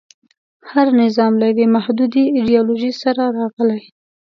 هر نظام له یوې محدودې ایډیالوژۍ سره راغلی.